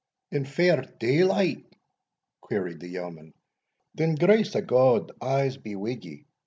"In fair daylight?" queried the yeoman; "then, grace o' God, I'se be wi' ye.